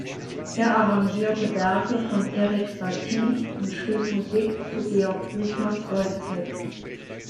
Er arrangierte Werke von Erik Satie und schrieb Musik zu Georg Büchners "Woyzeck".